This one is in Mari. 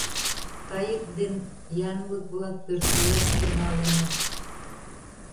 Кайык ден янлык-влак пӧртылаш тӱҥалыныт.